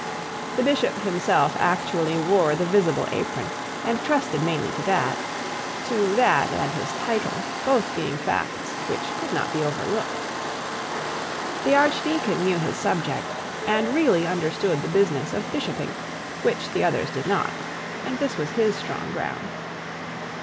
The bishop himself actually wore the visible apron, and trusted mainly to that to that and to his title, both being facts which could not be overlooked. The archdeacon knew his subject, and really understood the business of bishoping, which the others did not; and this was his strong ground.